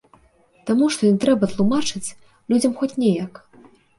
Таму што ім трэба тлумачыць людзям хоць неяк.